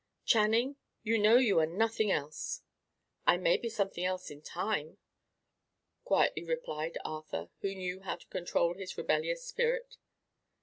Channing, you know you are nothing else." "I may be something else in time," quietly replied Arthur, who knew how to control his rebellious spirit.